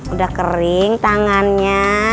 udah kering tangannya